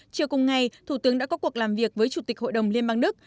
chiều cùng ngày thủ tướng đã có cuộc làm việc với chủ tịch hội đồng liên bang đức